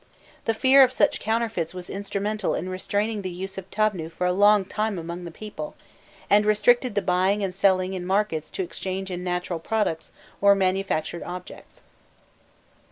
The fear of such counterfeits was instrumental in restraining the use of tabnû for a long time among the people, and restricted the buying and selling in the markets to exchange in natural products or manufactured objects.